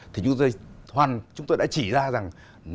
thì chúng tôi đã chỉ ra rằng